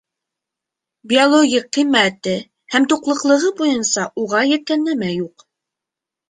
Биологик ҡиммәте һәм туҡлыҡлылығы буйынса уға еткән нәмә юҡ.